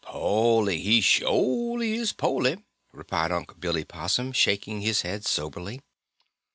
"Po'ly, he sho'ly is po'ly," replied Unc' Billy Possum, shaking his head soberly.